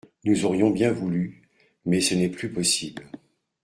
Nous aurions bien voulu, mais ce n’est plus possible.